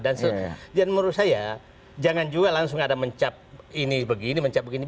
dan menurut saya jangan juga langsung ada mencap ini begini mencap begini